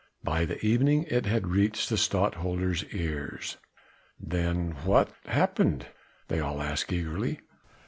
By the evening it had reached the Stadtholder's ears." "Then what happened?" they all asked eagerly.